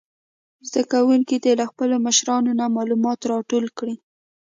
زده کوونکي دې له خپلو مشرانو نه معلومات راټول کړي.